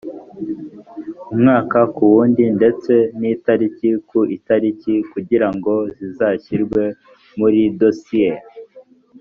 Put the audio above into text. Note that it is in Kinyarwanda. umwaka ku wundi ndetse n itariki ku itariki kugira ngo zizashyirwe muri dosiye